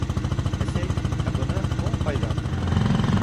Әсәй, ә бына... моң ҡайҙан?